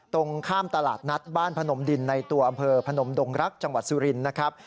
ตรงข้ามตลาดนัดบ้านพนมดินในตัวอำเภอพนมดงรักจังหวัดสุรินทร์นะครับ